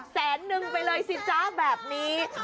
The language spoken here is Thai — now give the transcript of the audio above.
แสนนึงไปเลยสิจ๊ะแบบนี้